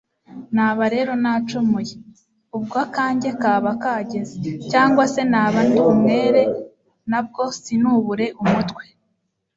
naba rero nacumuye, ubwo akanjye kakaba kageze! cyangwa se naba ndi umwere, na bwo sinubure umutwe